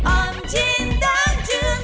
om jin dan jun